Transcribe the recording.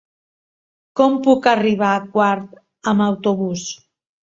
Com puc arribar a Quart amb autobús?